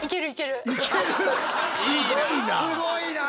すごいな！